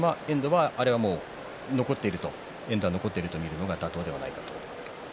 やはり遠藤は残っていると見るのが妥当ではないかと。